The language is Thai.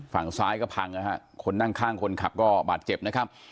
ฝั่งซ้ายก็พังนะฮะคนนั่งข้างคนขับก็บาดเจ็บนะครับ